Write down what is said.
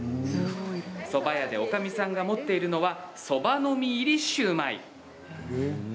そば屋でおかみさんが持っているのはそばの実入りのシューマイ。